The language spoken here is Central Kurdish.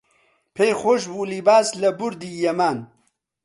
پێی خۆش بوو لیباس لە بوردی یەمان